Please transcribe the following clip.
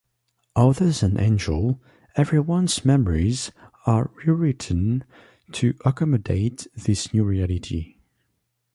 Other than Angel, everyone's memories are rewritten to accommodate this new reality.